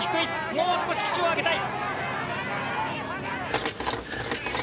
もう少し機首を上げたい！